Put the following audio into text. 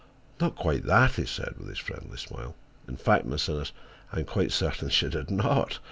"Not quite that," he said, with his friendly smile. "In fact, Miss Innes, I am quite certain she did not.